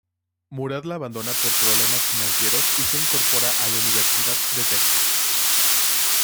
Murad la abandona por problemas financieros y se incorpora a la Universidad de Texas.